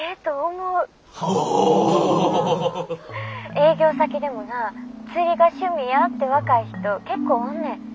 営業先でもな釣りが趣味やって若い人結構おんねん。